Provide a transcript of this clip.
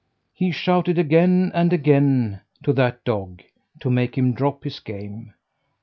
He shouted, again and again, to that dog, to make him drop his game.